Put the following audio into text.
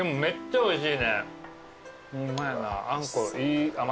おいしい。